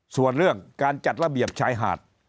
ส่วนเรื่องการจัดระเบียบชายหาด